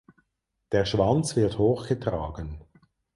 Der Schwanz wird hoch getragen.